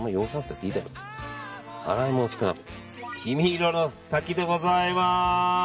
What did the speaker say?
黄身色の滝でございます。